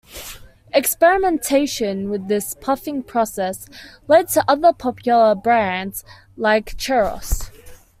Experimentation with this puffing process led to other popular brands like Cheerios.